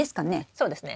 そうですね。